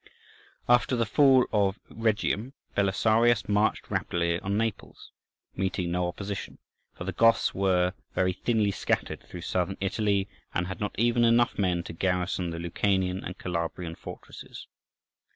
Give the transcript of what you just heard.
After the fall of Rhegium, Belisarius marched rapidly on Naples, meeting no opposition; for the Goths were very thinly scattered through Southern Italy, and had not even enough men to garrison the Lucanian and Calabrian fortresses.